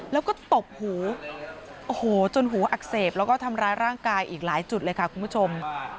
แล้วก็ตบหูโอ้โหจนหูอักเสบแล้วก็ทำร้ายร่างกายอีกหลายจุดเลยค่ะคุณผู้ชม